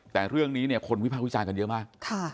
แต่เรื่องนี้เนี่ยคนวิพากษ์วิจารณ์กันเยอะมาก